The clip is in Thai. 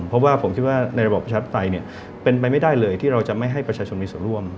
เพราะว่าผมคิดว่าในระบบประชาธิปไตยเป็นไปไม่ได้เลยที่เราจะไม่ให้ประชาชนมีส่วนร่วม